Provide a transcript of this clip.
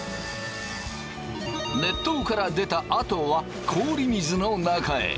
熱湯から出たあとは氷水の中へ！